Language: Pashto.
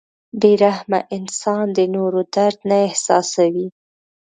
• بې رحمه انسان د نورو درد نه احساسوي.